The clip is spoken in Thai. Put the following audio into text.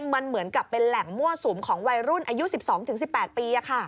มันเหมือนกับเป็นแหล่งมั่วสุมของวัยรุ่นอายุ๑๒๑๘ปี